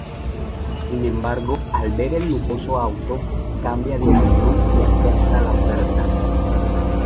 Sin embargo, al ver el lujoso auto, cambia de opinión y acepta la oferta.